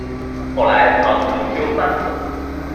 后来曾重修三次。